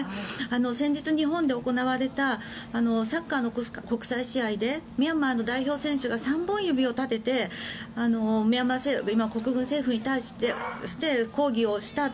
先日、日本で行われたサッカーの国際試合でミャンマーの代表選手が三本指を立ててミャンマー国軍に対して抗議をしたと。